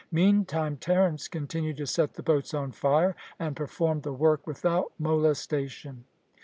Meantime Terence continued to set the boats on fire, and performed the work without molestation.